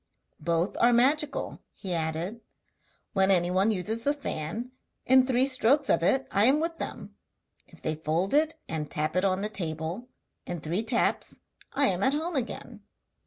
'Both are magical,' he added; 'when anyone uses the fan, in three strokes of it I am with them; if they fold it and tap it on the table, in three taps I am at home again.